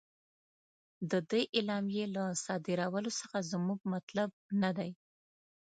د دې اعلامیې له صادرولو څخه زموږ مطلب نه دی.